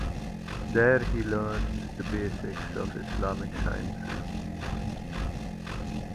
There he learns the basics of Islamic sciences.